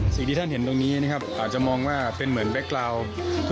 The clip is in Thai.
สิ่งที่ท่านเห็นตรงนี้นะครับอาจจะมองว่าเป็นเหมือนแบ็คลาว